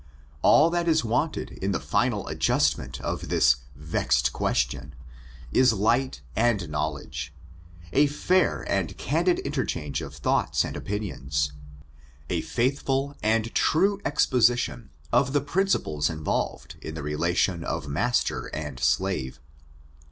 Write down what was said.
All that is wanted in the final adjustment of this "vexed question,'* is light and knowledge — ^a fair and ^^^^iMii^^^ ' pvbliiher's preface. r candid interchange of thoughts and opinion& « a faithful and true exposition of the principles involved in the relation of master and slave.